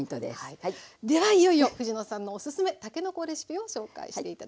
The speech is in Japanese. ではいよいよ藤野さんのオススメたけのこレシピを紹介して頂きます。